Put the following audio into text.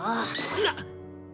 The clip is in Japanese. なっ！